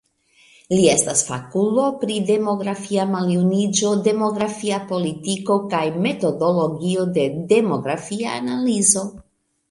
Li estas fakulo pri demografia maljuniĝo, demografia politiko kaj metodologio de demografia analizo.